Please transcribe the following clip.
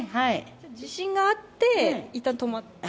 地震があっていったん止まって？